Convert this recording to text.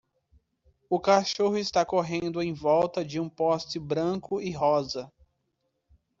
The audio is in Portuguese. O cachorro está correndo em volta de um poste branco e rosa.